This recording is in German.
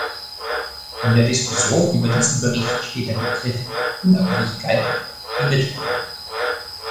In der Diskussion über diesen Bericht steht der Begriff "Unabhängigkeit" im Mittelpunkt.